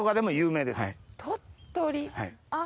鳥取あっ。